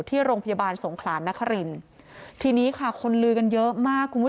ที่โรงพยาบาลสงขลานนครินทีนี้ค่ะคนลือกันเยอะมากคุณผู้ชม